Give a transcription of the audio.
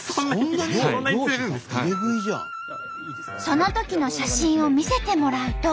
そのときの写真を見せてもらうと。